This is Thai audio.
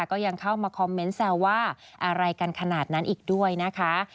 ก็ยังเข้ามาคอมเมนต์แซวว่าอะไรกันขนาดนั้นอีกด้วยนะคะ